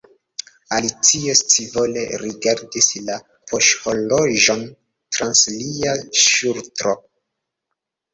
Alicio scivole rigardis la poŝhorloĝon trans lia ŝultro.